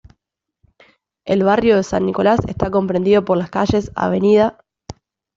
El barrio de San Nicolás está comprendido por las calles Av.